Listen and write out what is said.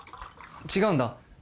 違うんだ。